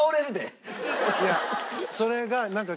いやそれがなんか。